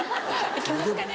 行けますかね？